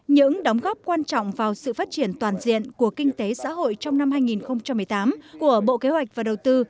những đóng góp quan trọng vào sự phát triển toàn diện của kinh tế xã hội trong năm hai nghìn một mươi tám của bộ kế hoạch và đầu tư